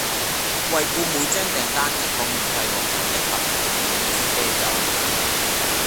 惠顧每張訂單即可免費獲贈一盒共六支啤酒